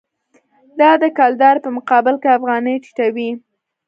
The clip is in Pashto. دا د کلدارې په مقابل کې افغانۍ ټیټوي.